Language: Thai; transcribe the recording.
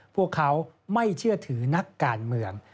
พวกเขาไม่เชื่อถือนักการเมือง